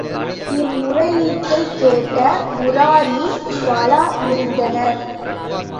இம்முறையீட்டைக் கேட்ட முராரி வாளா இருந்தனர்.